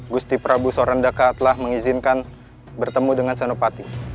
gusti prabu sorendaka telah mengizinkan bertemu dengan senopati